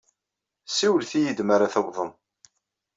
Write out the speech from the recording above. Siwlet-iyi-d mi ara tawḍem.